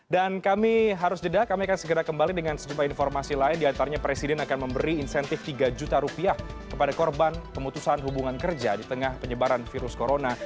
dan kami harus jeda kami akan segera kembali dengan sejumlah informasi lain diantaranya presiden akan memberi insentif tiga juta rupiah kepada korban pemutusan hubungan kerja di tengah penyebaran virus corona